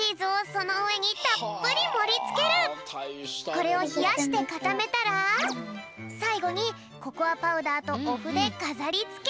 これをひやしてかためたらさいごにココアパウダーとおふでかざりつけ！